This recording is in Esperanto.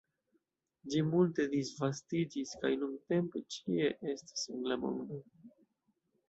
Ĝi multe disvastiĝis kaj nuntempe ĉie estas en la mondo.